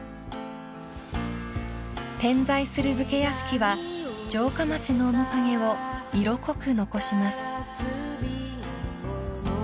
［点在する武家屋敷は城下町の面影を色濃く残します］